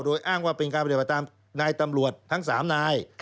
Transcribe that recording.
โดยอ้างว่าเป็นการปฏิบัติตามนายตำรวจทั้ง๓นาย